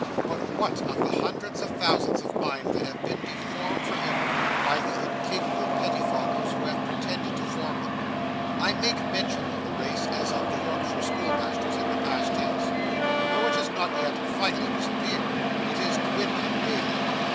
But, what of the hundreds of thousands of minds that have been deformed for ever by the incapable pettifoggers who have pretended to form them! I make mention of the race, as of the Yorkshire schoolmasters, in the past tense. Though it has not yet finally disappeared, it is dwindling daily.